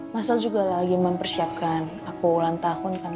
masal juga lagi mempersiapkan aku ulang tahun kan kemarin